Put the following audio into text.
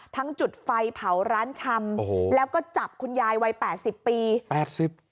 จุดไฟเผาร้านชำโอ้โหแล้วก็จับคุณยายวัยแปดสิบปีแปดสิบ